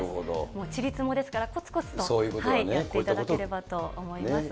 もう、ちりつもですから、こつこつとやっていただければと思います。